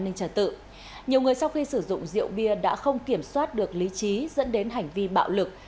nhiều người sau khi sử dụng rượu bia đã không kiểm soát được lý trí dẫn đến hành vi bạo lực